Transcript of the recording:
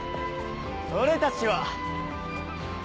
俺たちは。